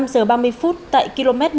năm giờ ba mươi phút tại km một trăm ba mươi